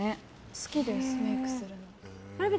好きです、メイクするの。